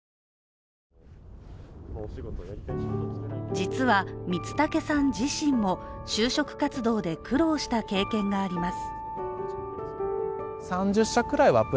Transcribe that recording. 実は光武さん自身も就職活動で苦労した経験があります。